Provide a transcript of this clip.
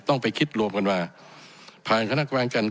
ต้องไปคิดรวมกันมาผ่านคณะกรรมการการกองมาครับ